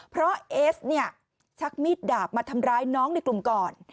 เพราะเอสเนี่ยชักมีดดาบมาทำร้ายน้องในกลุ่มก่อน